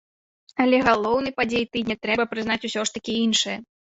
Але галоўнай падзеяй тыдня трэба прызнаць усё ж такі іншае.